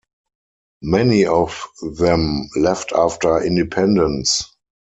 Many of them left after independence.